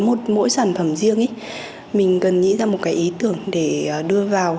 với mỗi sản phẩm riêng ý mình cần nghĩ ra một cái ý tưởng để đưa vào